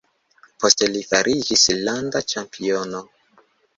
Poste li fariĝis landa ĉampiono.